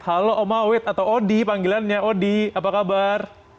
halo oma wid atau odi panggilannya odi apa kabar